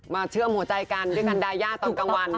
เชื่อมหัวใจกันด้วยกันดายาตอนกลางวัน